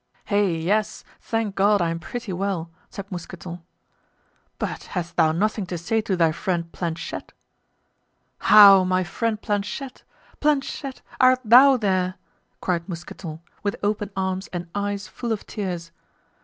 "Hey, yes, thank God, I am pretty well," said Mousqueton. "But hast thou nothing to say to thy friend Planchet?" "How, my friend Planchet? Planchet—art thou there?" cried Mousqueton, with open arms and eyes full of tears.